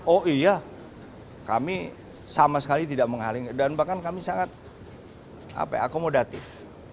oh iya kami sama sekali tidak menghalangi dan bahkan kami sangat akomodatif